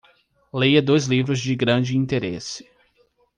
Leia dois livros de grande interesse